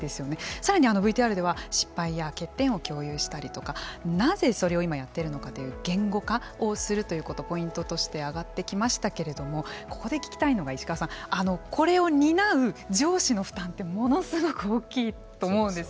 さらにＶＴＲでは失敗や欠点を共有したりとかなぜ、それを今やっているのかという言語化をするということをポイントとして挙がってきましたけれどもここで聞きたいのが石川さんこれを担う上司の負担ってものすごく大きいと思うんです。